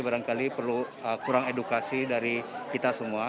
barangkali perlu kurang edukasi dari kita semua